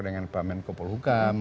dengan pak menko polhukam